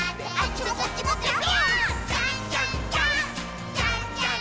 「じゃんじゃん！